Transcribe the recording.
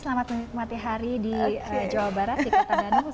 selamat menikmati hari di jawa barat di kota bandung